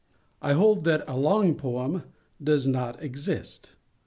I hold that a long poem does not exist.